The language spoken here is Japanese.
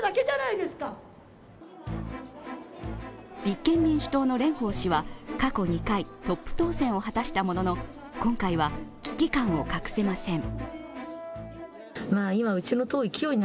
立憲民主党の蓮舫氏は過去２回、トップ当選を果たしたものの、今回は危機感を隠せません。